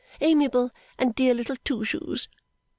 Amiable and dear little Twoshoes!